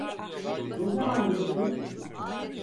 Ne zaman geleyim?